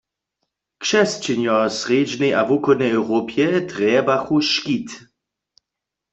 Křesćenjo w srjedźnej a wuchodnej Europje trjebachu škit.